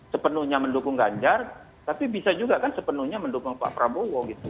sepenuhnya mendukung ganjar tapi bisa juga kan sepenuhnya mendukung pak prabowo gitu